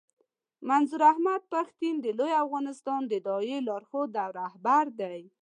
منظور احمد پښتين د لوی افغانستان د داعیې لارښود او رهبر دی.